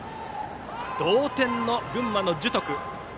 同点、群馬の樹徳。